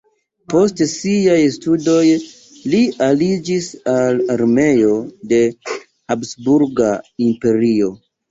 Post siaj studoj li aliĝis al armeo de Habsburga Imperio.